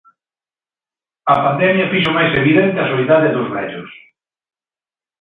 A pandemia fixo máis evidente a soidade dos vellos.